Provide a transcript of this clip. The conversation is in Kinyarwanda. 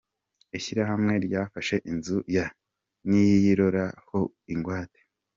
Ishyirahamwe ryafashe inzu ya Niyirora ho ingwate.